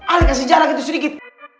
alin kasih jarak itu sedikit